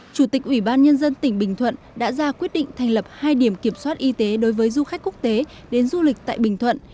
chủ tịch ủy ban nhân dân tỉnh bình thuận đã ra quyết định thành lập hai điểm kiểm soát y tế đối với du khách quốc tế đến du lịch tại bình thuận